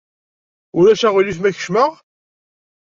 Ulac aɣilif ma kecmeɣ?